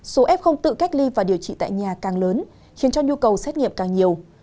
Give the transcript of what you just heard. số f không tự cách ly và điều trị tại nhà càng lớn khiến cho nhu cầu xét nghiệm càng nhiều